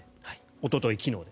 おととい、昨日で。